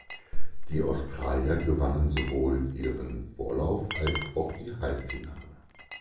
Die Australier gewannen sowohl ihren Vorlauf als auch ihr Halbfinale.